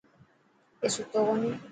اي ستو ڪوني.